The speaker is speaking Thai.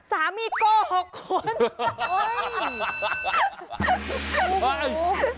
สามีเก้า๖คน